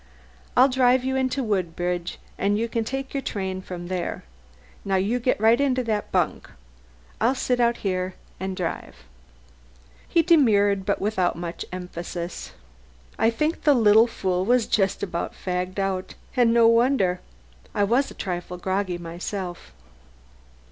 I'll drive you into Woodbridge and you can take your train there. Now you get right into that bunk. I'll sit out here and drive." He demurred, but without much emphasis. I think the little fool was just about fagged out, and no wonder. I was a trifle groggy myself.